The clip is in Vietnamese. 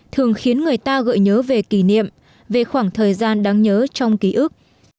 thường khiến người ta gợi nhớ về kỷ niệm về khoảng thời gian đáng nhớ trong ký ức